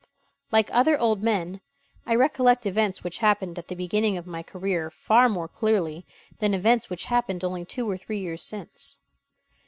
Like other old men, I recollect events which happened at the beginning of my career far more clearly than events which happened only two or three years since.